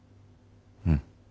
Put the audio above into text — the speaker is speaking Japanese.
うん。